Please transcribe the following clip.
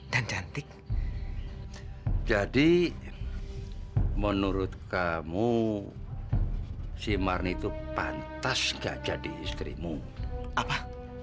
dan cantik jadi menurut kamu si marni itu pantas gak jadi istrimu apa